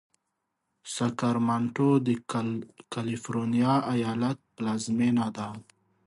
ساکرمنټو د کالفرنیا ایالت پلازمېنه ده.